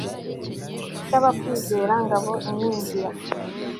cy'abakwizera, ngabo ikingira